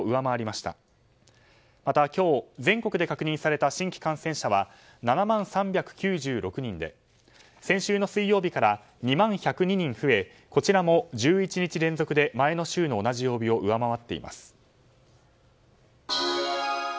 また今日全国で確認された新規感染者は７万３９６人で先週の水曜日から２万１０２人増えこちらも１１日連続で前の週の同じ曜日を上回っています。